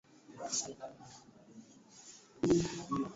Tangu hapo Debby na magreth hawakumwambia mtu yeyote siri ile